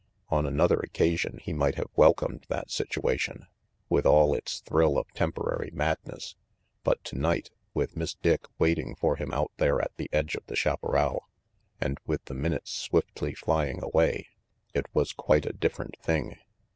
On another occasion he might have welcomed that situation, with all its thrill of temporary mad ness; but tonight, with Miss Dick waiting for him out there at the edge of the chaparral, and with the minutes swiftly flying away, it was quite a different thing.